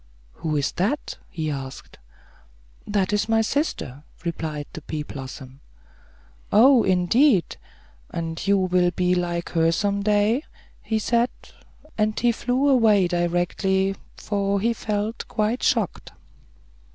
"Who is that?" he asked. "That is my sister," replied the pea blossom. "Oh, indeed; and you will be like her some day," said he; and he flew away directly, for he felt quite shocked.